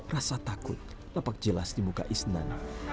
rasa takut lapak jelas di muka isnan